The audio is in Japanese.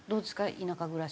田舎暮らし。